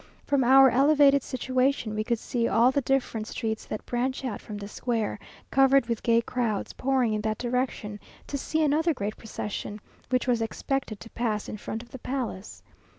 From our elevated situation, we could see all the different streets that branch out from the square, covered with gay crowds pouring in that direction to see another great procession, which was expected to pass in front of the palace.